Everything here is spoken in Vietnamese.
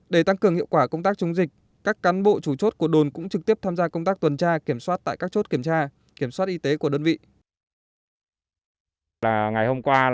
để tăng cường hiệu quả công tác chống dịch các cán bộ chủ chốt của đồn cũng trực tiếp tham gia công tác tuần tra kiểm soát tại các chốt kiểm tra kiểm soát y tế của đơn vị